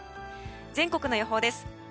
全国の予報です。